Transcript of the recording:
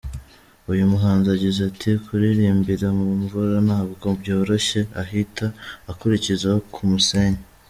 Uyu muhanzi agize ati : ’Kuririmbira mu mvura ntabwo byoroshye" ahita akurikizaho ’Ku musenyi".